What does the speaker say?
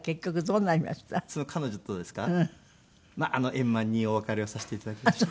円満にお別れをさせて頂きました。